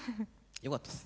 よかったです